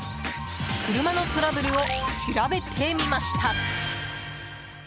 車のトラブルを調べてみました。